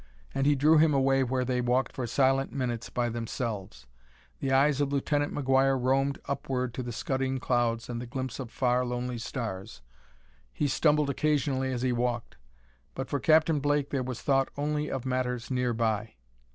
And he drew him away where they walked for silent minutes by themselves. The eyes of Lieutenant McGuire roamed upward to the scudding clouds and the glimpse of far, lonely stars; he stumbled occasionally as he walked. But for Captain Blake there was thought only of matters nearby.